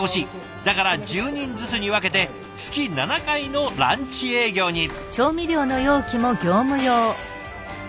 だから１０人ずつに分けて月７回のランチ営業に。ね？